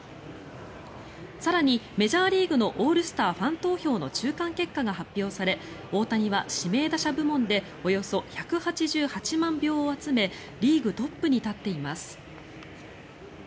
更にメジャーリーグのオールスターファン投票の中間結果が発表され大谷は指名打者部門でおよそ１８８万票を集めリーグトップに立っています。